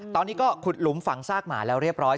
ตอนนี้ก็ขุดหลุมฝังซากหมาแล้วเรียบร้อย